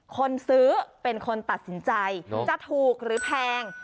คนซื้อเป็นคนตัดสินใจจะถูกหรือแพง